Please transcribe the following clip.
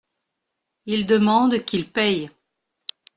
Il demande qu’il paye.